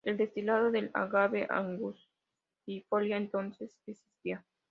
El destilado del Agave angustifolia, entonces, existía.